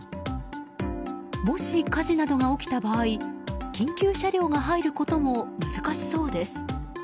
もし、火事などが起きた場合緊急車両が入ることも難しそうです。